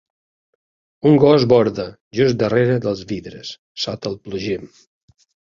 Un gos borda just darrere dels vidres, sota el plugim.